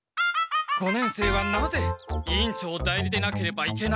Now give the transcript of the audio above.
五年生はなぜ委員長代理でなければいけないのか！